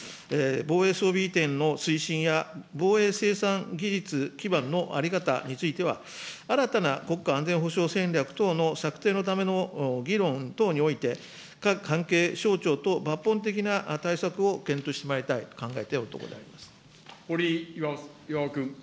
防衛装備移転の推進や、防衛生産技術基盤の在り方については、新たな国家安全保障戦略等の策定のための議論等において、各関係省庁と抜本的な対策を検討してまいりたいと考えておるとこ堀井巌君。